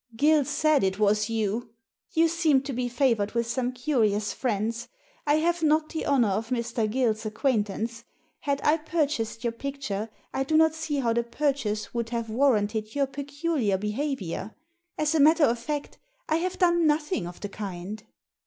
"Gill said it was you." "You seem to be favoured with some curious friends. I have not the honour of Mr. Gill's ac quaintance. Had I purchased your picture, I do not see how the purchase would have warranted your peculiar behaviour. As a matter of fact, I have done nothing of the kind."